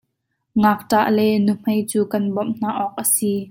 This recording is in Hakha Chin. Ngakṭah le nuhmei cu kan bomh hna awk a si.